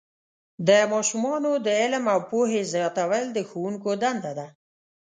د ماشومانو د علم او پوهې زیاتول د ښوونکو دنده ده.